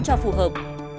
cho phù hợp